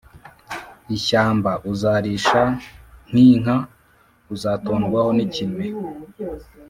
ishyamba uzarisha nk inka uzatondwaho n ikime